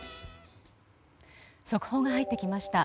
速報が入ってきました。